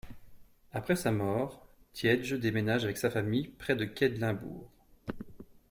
Après sa mort, Tiedge déménage avec sa famille près de Quedlinbourg.